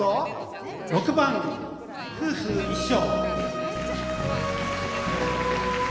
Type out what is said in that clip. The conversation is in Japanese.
６番「夫婦一生」。